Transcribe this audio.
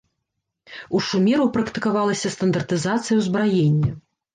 У шумераў практыкавалася стандартызацыя ўзбраення.